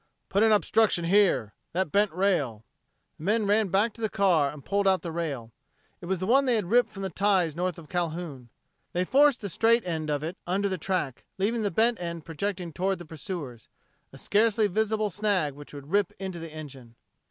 "Put an obstruction here! That bent rail!" The men ran back to the car and pulled out the rail. It was the one they had ripped from the ties north of Calhoun. They forced the straight end of it under the track, leaving the bent end projecting toward the pursuers a scarcely visible snag which would rip into the engine.